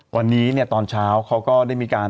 วันนี้เนี่ยตอนเช้าเขาก็ได้มีการ